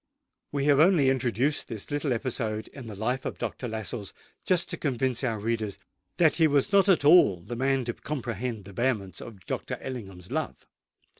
We have only introduced this little episode in the life of Dr. Lascelles, just to convince our readers that he was not at all the man to comprehend the vehemence of Lord Ellingham's love.